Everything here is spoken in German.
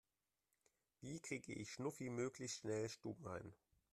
Wie kriege ich Schnuffi möglichst schnell stubenrein?